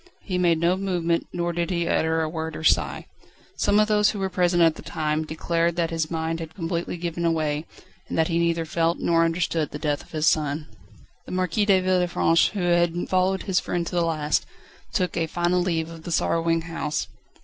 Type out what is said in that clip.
He made no movement, nor did he utter a word or sigh. Some of those who were present at the time declared that his mind had completely given way, and that he neither felt nor understood the death of his son. The Marquis de Villefranche, who had followed his friend to the last, took a final leave of the sorrowing house.